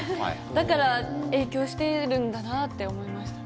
だから、影響してるんだなって思いましたね。